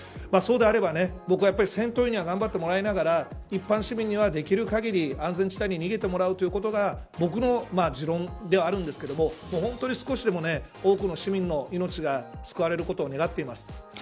そうであれば僕はやはり戦闘員には頑張ってもらいながら一般市民にはできる限り安全地帯に逃げてもらうということが僕の持論ではあるんですが本当に少しでも多くの市民の命が救われることを願っています。